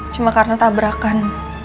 cuma karena tabrakan